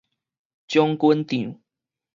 將軍帳